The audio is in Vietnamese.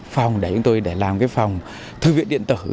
phòng để chúng tôi làm phòng thư viện điện tử